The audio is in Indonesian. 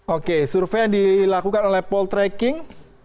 oke survei yang dilakukan oleh paul treking